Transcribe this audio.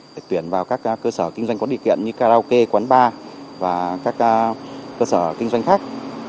để tuyển vào các cơ sở kinh doanh có điều kiện như karaoke quán bar và các cơ sở kinh doanh khác